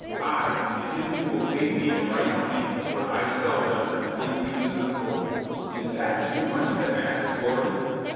"Ay, to him who will pay me in right money will I sell them for twenty pieces. Is that too much to ask, lording?"